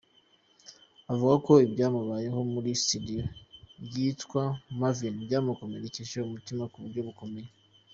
Avuga ko ibyamubayeho muri Studio yitwa Mavin, byamukomerekeje umutima mu buryo bukomeye.